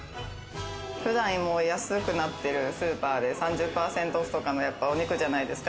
普段安くなってるスーパーで３０％オフとかのお肉じゃないですか。